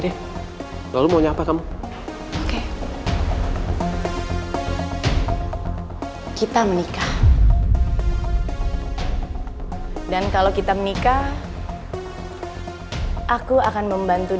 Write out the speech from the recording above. kehendak mu rasain para pembagaian estado iban yg ada di institusi